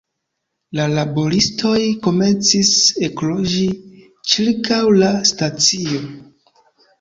La laboristoj komencis ekloĝi ĉirkaŭ la stacio.